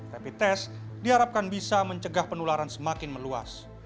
rapid test diharapkan bisa mencegah penularan semakin meluas